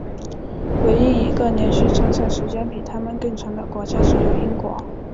唯一一个连续参赛时间比他们更长的国家只有英国。